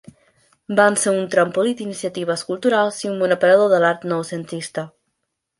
Van ser un trampolí d'iniciatives culturals i un bon aparador de l'art noucentista.